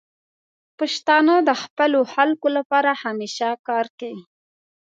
پښتانه د خپلو خلکو لپاره همیشه کار کوي.